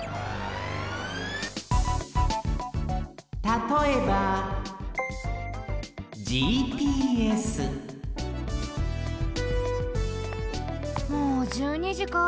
たとえばもう１２じか。